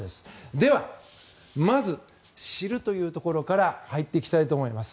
では、まず知るというところから入っていきたいと思います。